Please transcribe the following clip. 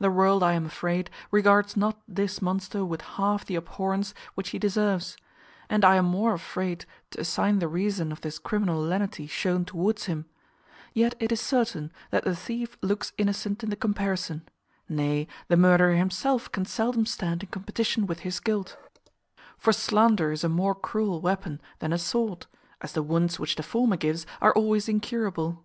The world, I am afraid, regards not this monster with half the abhorrence which he deserves; and I am more afraid to assign the reason of this criminal lenity shown towards him; yet it is certain that the thief looks innocent in the comparison; nay, the murderer himself can seldom stand in competition with his guilt: for slander is a more cruel weapon than a sword, as the wounds which the former gives are always incurable.